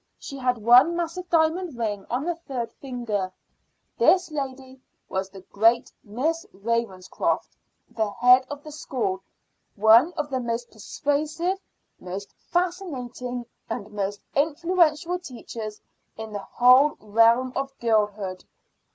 She had one massive diamond ring on the third finger. This lady was the great Miss Ravenscroft, the head of the school, one of the most persuasive, most fascinating, and most influential teachers in the whole realm of girlhood.